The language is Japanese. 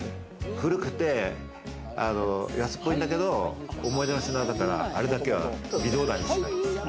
古くて安っぽいんだけれども、思い出の品だから、あれだけは微動だにしない。